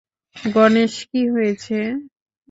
গণেশ, কি হয়েছে?